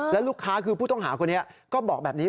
แล้วลูกค้าคือผู้ต้องหาคนนี้ก็บอกแบบนี้